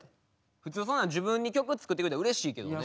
普通そんなん自分に曲作ってくれたらうれしいけどね。